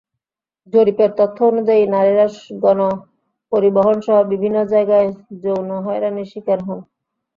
জরিপের তথ্য অনুযায়ী, নারীরা গণপরিবহনসহ বিভিন্ন জায়গায় যৌন হয়রানির শিকার হন।